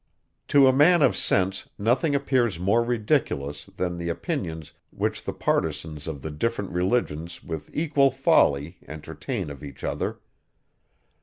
To a man of sense, nothing appears more ridiculous, than the opinions, which the partisans of the different religions with equal folly entertain of each other.